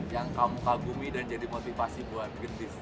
yang kamu kagumi dan jadi motivasi buat gritish